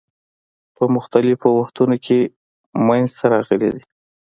په مختلفو وختونو کې منځته راغلي دي.